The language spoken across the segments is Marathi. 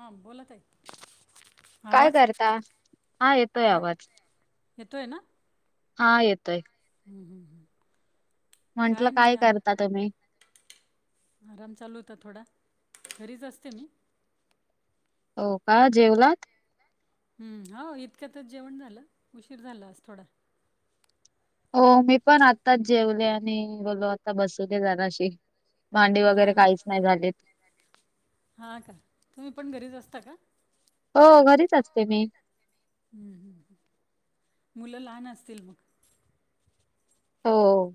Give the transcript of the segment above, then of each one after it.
ह बोलत आहे. काय करता हा येतोय आवाज येतो आहे ना. हा येतय. हम्म हम् हम् म्हंटलं काय नाहीर का? करता तुम्ही? आराम चालू होता थोडा घरीच असते मी हो का जेवलात? हम्म हो इतक्यातच जेवण झालं उशीर झाला आज थोडा हो मी पण आत्ताच जेवले आणि बोलो आता बसवले जाणारशी भांडी वगैरे हा ना काहीच नाही झाली. हा का तुम्ही पण घरीच असता का? हो घरीच असते मी हम् ह मुलं लहान असतील मग हो.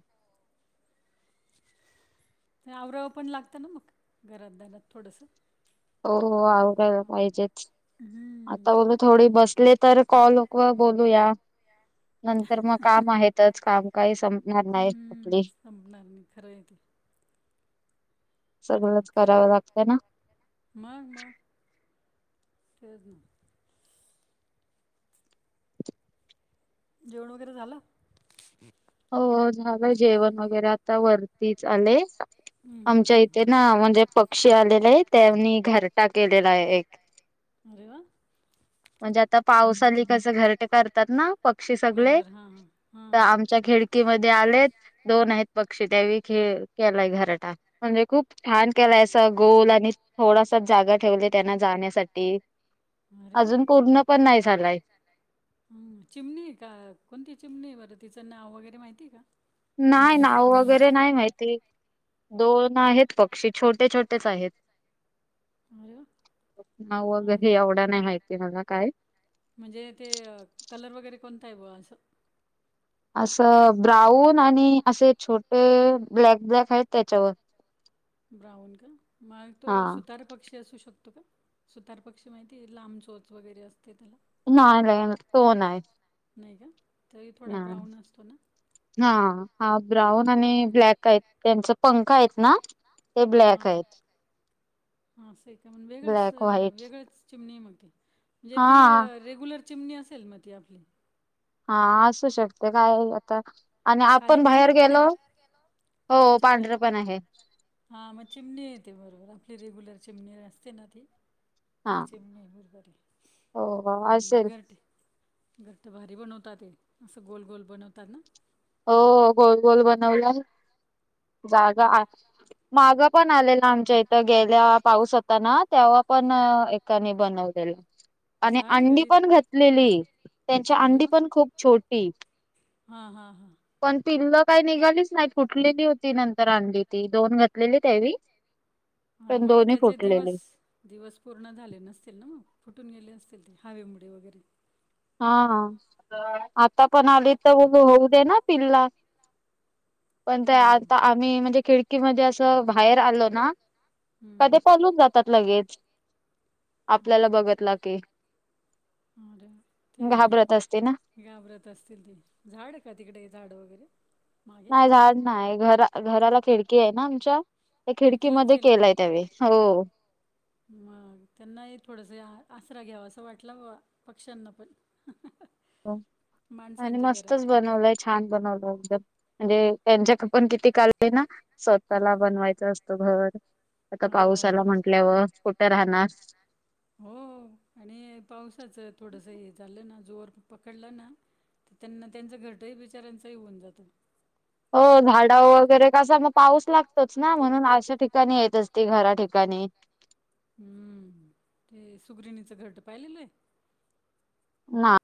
तर आवरावं पण लागतं ना मग घरात जानात थोडंसं. हो हो आवड पाहिजेच. हम्म, आता बोल थोडी बसले तर कॉलक बोलूया. नंतर मग काम आहेतच काम काही संपणार नाही आपली हम्म, संपणार नाही खरं आहे ते काय सगळंच खरं नाही. करावं लागतंय ना. मग मग ठचन जेवण वगैरे झालं. हो झालं जेवण वगैरे आता वरतीच आले. हम्म, हम्म, आमच्या हम्म. इथे ना म्हणजे पक्षी आलेले आहे त्यांनी घरटा केलेला आहे एक अरे व्वा. म्हणजे आता पावसाली कस घरटे करतात ना पक्षी सगळे बरोबर हां हां तर हां आम च्या खिडकीमध्येध्ये आलेच दोन आहेत पक्षी त्यावे खेळ केलाय घराटा म्हणजे खूप छान केला अस गोल आणि थोडसा जागा ठेवली त्यांना जाण्यासाठी अरे वाह! अजून पूर्ण पण नाही झालाय. चिमणी आहे का कोणती चिमणी आहे बरं तिचं नाव वगैरे माहिती आहे का? नाही नाव वगैरे नाही माहिती दोन आहेत पक्षी छोटे छोटेच आहेत. हो. नाव वगैरे हे एवढा नाही माहिती मला काय? म्हणजे ते कलर वगैरे कोणत आहे ब असं. असं ब्राऊन आणि असे छोटे ब्लॅक ब्लॅक आहेत त्याच्यावर ब्राऊन का मग तो हा. सुतारा पक्षी असू शकतो का? सुतार पक्षी माहिती लांब चोच वगैरे असते त्याला नाही नाही तो नाही. नाही का तर थोडा नाही ब्राऊन असतो ना. हा हा ब्राऊन आणि ब्लॅक. काही त्यांचे पंख आहेत ना ते हां, हां, ब्लॅक हां. आहेत. हां असं का म्हण वेगळं ब्लॅक असं व्हाईट वेगळंच. चिमणी मग त म्हणजे ती हा. रेग्युलर चिमणी असेल मग ती आपली हा असू शकते काय आता आणि खाली आपण बाहेर पांढरं पण आहे गेलो का? हो पायाच्या पांढरे खाली पण आहे. हा मग चिमणी येते बरोबर आपली रेग्युलर चिमणी असते ना ती ते हा चिमणी ये बरोबर ये हो हम्म असेल घरटे घरट भारी बनवतात ते असं गोल गोल बनवतात ना हो गोल गोल बनवला ना जागा आहे. माग पण आलेला आमच्या इथं गेल्या पाऊस होता ना तेव्हा पण अ काणी बनव देला. आणि झाड आहे का अंडी तिथे? पण घातलेली त्यांच्या अंडी पण खूप छोटी हा हा हां. पण पिल्ल काही निघालीच नाहीत कुठलेली होती नंतर आणलेली ती दोन घातलेली त्यावेळी हा मग त्याचे दिवस दिवस पूर्ण झाले नसतील ना मग फुटून गेले असतील ते हवेमुळे वगैरे हा आता पण आली तर होऊ दे ना पिल्ला पण ते हम्म. आत्ता आम्ही म्हणजे खिडकी की मध्ये असं बाहेर आल ना हम्म. की पलून जातात लगेच आपल्याला बघतला के हा रे ते घाबरत असते ना. घाबरत असतील ती झाडं ये का तिकडे झाड वगैरे मागे नाही झाड नाही घरा घराला खिडकी आहे ना आमच्या त्या खिडकीलाच खिडकीमध्ये केलेलं केलाय आहे त्यावेळी हो. मग त्यांनाही थोडंस आसरा घ्यावा असं वाटल बा पक्ष्यांना पण हो आणि माणसांच्या घरात मस्तच बनवलाय. छान बनवल एकदम म्हणजे त्यांच्याकड पण किती कलते ना हम्म. स्वतःला बनवायचं अस घर आता पाऊस हो. आला म्हंटल्यावर कुठे राहणार? हो आणि पावसाचं थोडंस हे झालं ना जोर पकडलं ना तर त्यांना त्यांचं घरटही बिचाऱ्यांचं हे होऊन जातं. हो झाडा वगैरे कसा मग पाऊस लागतोच ना म्हणून अशा ठिकाणी येत असते घरा ठिकाणी. हम्म ते सुगरिणीचं घरट पाहिलेलंय? ना.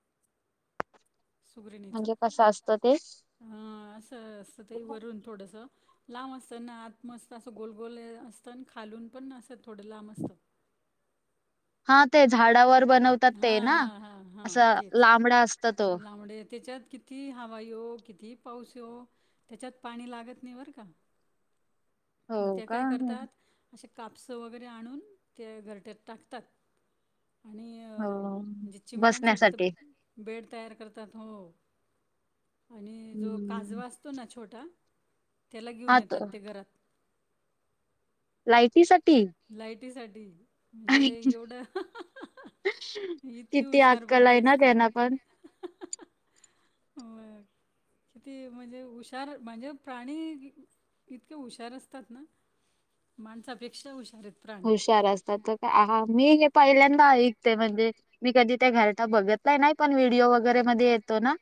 सुगरिणीच म्हणजे कसं असतं ते अ असं असत ते वरून थोडस लांब असतं ना आत मस्त असं गोलगोल असतं आणि खालून पण असं थोडं लांब असतं. हा ते झाडावर बनवतात हा ते ना हा हा असं तेच लांबडा असत तो लांबड त्याच्यात की कितीही हवा येवो, कितीही पाऊस येवो त्याच्यात पाणी लागत नाही बरं का. हो ते काय का करतात असे कापसं वगैरे आणून ते घरट्यात टाकतात. आणि अ हो म्हणजे चिमण्यांसाठी तर बसण्यासाठी बेड तयार करतात. हो आणि जो हम्म काजवा अस तो ना छोटा त्याला हा घेऊन येतात तर ते घरात लायटीसाठी लाइटीसाठी म्हणजे आणि एवढं अहं अहं इतकी किती हुशार अक्कल बुद्धी आहे ना असते. त्यांना पण मग [unintelligible] किती म्हणजे हुशार म्हणजे प्राणी इतके हुशार असतात ना माणसापेक्षा हुशार येत. हुशार असतात तर काय आ मी हे पहिल्यांदा ऐकते म्हणजे मी कधी ते घरटा बघत नाही नाही पण व्हिडिओ वगैरे मध्ये येतो ना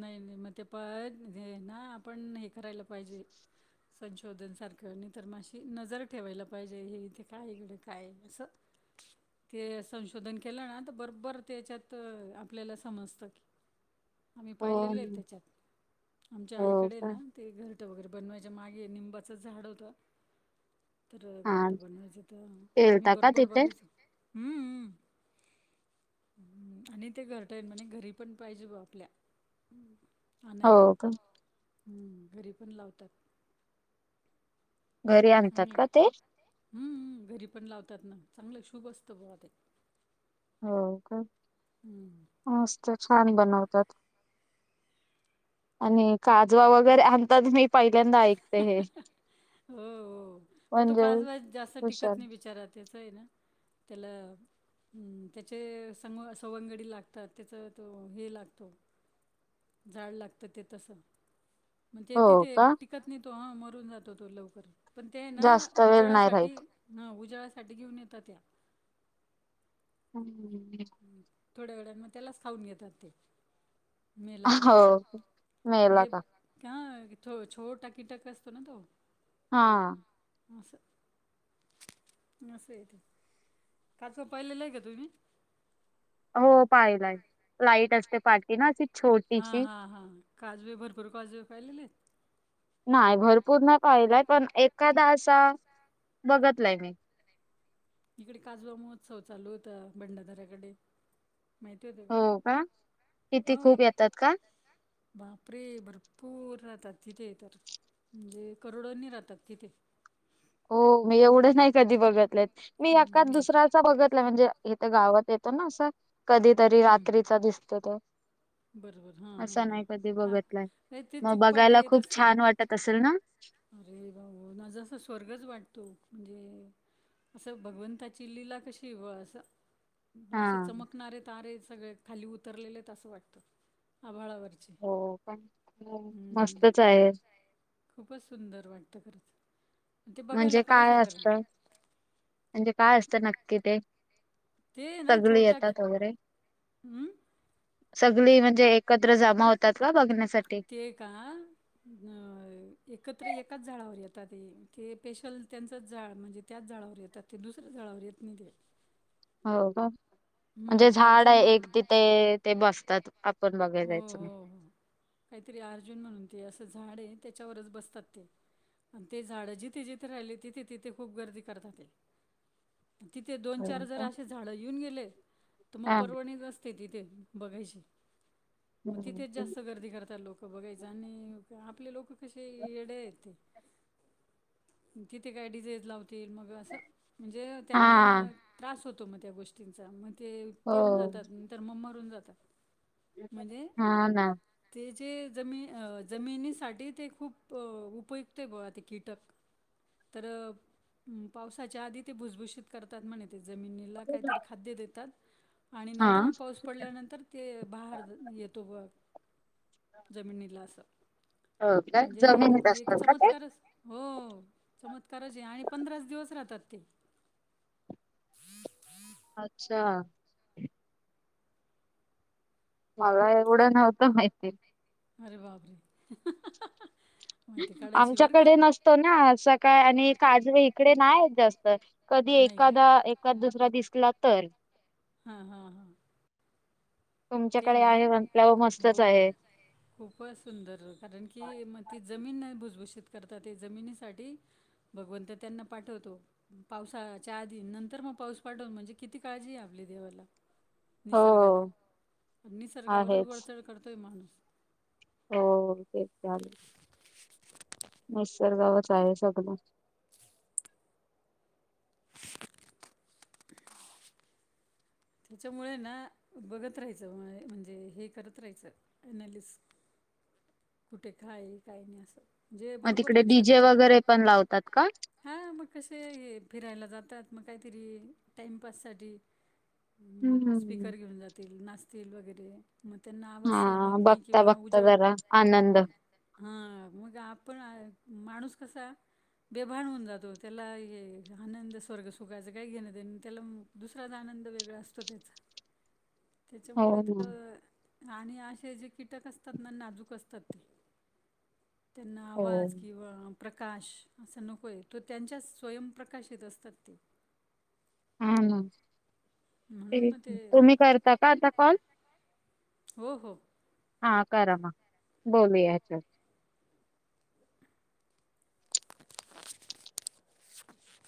नाही नाही मग ते पद हे ना आपण हे करायला पाहिजे संशोधन सारखं नाही तर मग अशी नजर ठेवायला पाहिजे हे इथे काय इकडं काय असं. ते संशोधन केलं ना तर बरोबर त्याच्यात आपल्याला समजत. आम्ही हो पाहिलेले आहे त्याच्यात आमच्या हो आईकडे का ना ते घरट वगैरे बनवायच्या मागे निंबाचं झाड होतं तर हा घरट बनवायच तर आम्ही खेळता का बरोबर तिथे बघायचो. हम्मम् आणि ते घरट येन म्हणे घरी पण पाहिजे बुवा आपल्या. आणायला. हो का हो. घरी पण लावतात. घरी आणतात चांगलं का ते? हम्म. घरी पण लावतात ना चांगलं शुभ असतं बुवा ते. हो का? हम्म. मस्त, छान बनवतात. आणि काजवा वगैरे आणतात मी पहिल्यांदा ऐकते हे. हो हो. पण तो म्हणजे काजवा जास्त हुशार टिकत नाही बिचारा त्याच हे ना त्याला त्याचे संग सवंगडी लागतात त्याच तो हे लागतो झाड लागत ते तस म्हणजे हो तिथे का टी शकत नाही तो ह मरून जातो तो लवकर, पण ते ना जास्त वेळ नाही राहीत उजाळासाठी हा उजाळ्यासाठी घेऊन येतात त्या [unintelligible] थोड्या वेळांने मग त्यालाच खाऊन घेतात ते. मेला का? हो. मेला म्हणजे का का छोटा कीटक असतो ना तो. हा. म असं. नसं येत. काजवा पाहिलेलं आहे का तुम्ही? हो पाहिलाय. लाईट असते पाटी ना अशी हां छोटीशी. हां हां ह. काजवे भरपूर काजवे पाहिलेले आहेत. नाही, भरपूर नाय पाहिलंय पण एखादा असा बघतलाय मी. इकडे काजवा महोत्सव चालू होता भंडाधऱ्याकडे. माहित होत का? किती हो. खूप का? येतात ना? बापरे! भरपूर राहतात तिथे तर म्हणजे करोडोनी राहतात तिथे. हो, मी एवढंच नाही कधी बघतलेत, मी एकाद हम्म. दुसऱ्याचा बघतला म्हणजे इथ गावात येतं ना असं कधीतरी हम्म. रात्रीचा दिसतो तो. बरोबर, हा हा असा हा. नाही कधी हाका बघितलाय नाही, ते मग चुकपाट बघायला येत खूप असतील. छान वाटत असेल ना अरे भाऊ माझ अस स्वर्गच वाटतो, म्हणजे असं भगवंताची लीला कशी आहे व असं. असे हा. चमकणारे तारे सगळे खाली उतरलेले आहेत असं वाटतं, आभाळावर हो पण हो, हम्म. मस्तच आहे खूपच सुंदर वाटतं खरंचं, ते बघायला म्हणजे काय पाहिजे कारण असतं. म्हणजे काय असतं नक्की ते? सगळी येतात वगैरे हम्म. सगळी म्हणजे एकत्र जमा होतात का बघण्यासाठी? हे का अ एकत्र एकाच झाडावर येतात ते, ते स्पेशल त्यांचंच झाड म्हणजे त्याच झाडावर येतात. ते दुसऱ्या झाडावर येत नाही तेे. हो का? म्हणजे हं, झाड अर्जुन आहे एक म्हणून तिथे ते बसतात आपण बघाय हो जायचं मग हो हो काहीतरी अर्जुन म्हणून ते असं झाडे त्याच्यावरच बसतात ते आणि ते झाड जिथ जिथे राहिली तिथे तिथे खूप गर्दी करता ते तिथे दोन हो चार जर का? असे झाडं येऊन गेले तर मग हा परवणीत असते तिथे बघायची, मग तिथेच हम्म. जास्त गर्दी करतात लोक. बघायचं आणि आपले लोक कसे येडे आहे ते तिथे काय डी. जे. लावतील मग असं म्हणजे त्यांना हा त्रास होतो मग त्या गोष्टींचा मग ते पळून हो जातात नंतर ममरून जातात म्हणजे हा ना ते जे जमी जमिनीसाठी ते खूप उपयुक्त बो ते कीटक तर पावसाच्या आधी ते भुसभूषित करतात म्हणे जमनी ला काहीतरी खाद्य देतात आणि हा नंतर मग पाऊस पडल्यानंतर ते बाहर येतो मग जमिनीनीला असं हो काय म्हणजे जमिनीत एक असतात का ते चमत्कारच हो चमत्कारच आहे आणि पंधराच दिवस राहतात ते अच्छा मला एवढं नव्हतं माहिती. अरे बापरे माहिती काढायची बरं का आमच्याकडे नसतो ना सकाळी आणि काजवे इकडे नाही जास्त कधी नाही का एखादा एकाद दुसरा दिसला तर हा हा हा. तुमच्याकडे आहे म्हंटल्यावर हो मस्तच आहे. खूपच सुंदर, कारण की मग ती जमीन नाही भुसभूषित करतात ते जमिनीसाठी भगवंत त्यांना पाठवतो. पावसाच्या आधी नंतर मग पाऊस पाठवून म्हणजे किती काळजी आहे आपली देवाला हो. निसर्गावर आहेच चाल करतोय माणुस हो ते चालेल निसर्गावरच आहे सगळं त्याच्यामुळे ना बघत राहायचं म्हणजे हे करत राहायचं अनालिस कुठे, काय काही नाही असं. जे मग बरोबर तिकडे लक्षात डीजे येत, वगैरे पण लावतात का? हा मग कसे हे फिरायला जातात, मग काहीतरी टाइमपाससाठी हम्म स्पीकर घेऊन जातील नाचतील वगैरे, मग त्यांना आवाज सहण हा होत, नाही बघता किंवा बघता उजळ, जरा आनंद हा मग आपण माणूस कसा, बेभाान होन जातो, त्याला हे आनंद स्वर्ग सुखायचं काय घेणं त्याला, दुसराच आनंद वेगळा असतो, त्याचा हो त्याच्यामुळे ना तर आणि असे जे कीटक असतात ना, नाजूक असतात ते, त्यांना हो आवाज कीवा, प्रकाश असा नको आहे तो, त्यांच्या स्वयंप्रकाशित असतात ते, हा ना ठीक म्हणून मग आहे ते तुम्ही करता का आता कॉल? हो हो, हा करमा बोलीय हेच्या वर,